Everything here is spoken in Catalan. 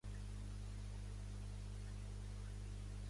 En realitat el camí de maons grocs és bastant llarga.